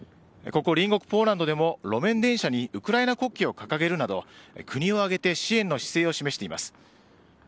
ここ隣国ポーランドでも路面電車にウクライナ国旗を掲げるなど、国を挙げて支援の姿勢を示しています。